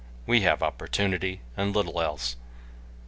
We have opportunity, and little else.